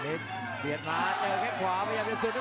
ประโยชน์ทอตอร์จานแสนชัยกับยานิลลาลีนี่ครับ